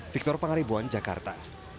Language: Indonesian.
victor pangaribuan jakarta